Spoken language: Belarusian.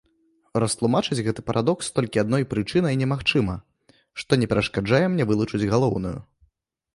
Растлумачыць гэты парадокс толькі адной прычынай немагчыма, што не перашкаджае мне вылучыць галоўную.